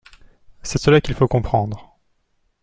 C’est cela qu’il faut comprendre.